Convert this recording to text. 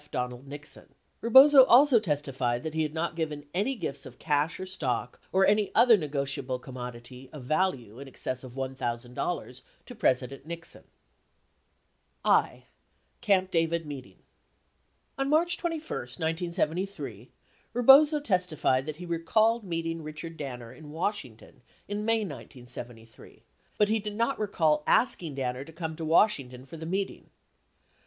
Donald Nixon. 63 Rebozo also testified that he had not given any gifts of cash or stock or any other negotiable commodity of value in excess of $1,000 to President Nixon. 64 I. Camp David Meeting On March 21, 1973, Rebozo testified that he recalled meeting Richard Danner in Washington in May 1973, but he did not recall asking Dan ner to come to Washington for the meeting.